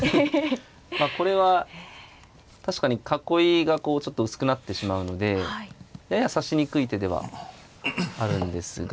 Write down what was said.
まあこれは確かに囲いがこうちょっと薄くなってしまうのでやや指しにくい手ではあるんですが。